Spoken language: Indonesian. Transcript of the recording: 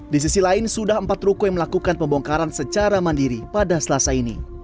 di sisi lain sudah empat ruko yang melakukan pembongkaran secara mandiri pada selasa ini